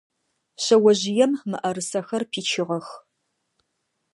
Шъэожъыем мыӏэрысэхэр пичыгъэх.